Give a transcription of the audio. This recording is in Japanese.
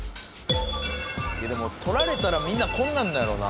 でも撮られたらみんなこんなんなやろな。